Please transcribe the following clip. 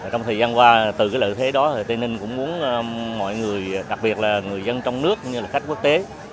trong thời gian qua từ cái lợi thế đó tây ninh cũng muốn mọi người đặc biệt là người dân trong nước cũng như là khách quốc tế